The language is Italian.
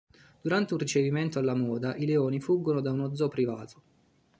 Durante un ricevimento alla moda, i leoni fuggono da uno zoo privato.